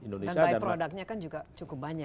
dan by productnya kan juga cukup banyak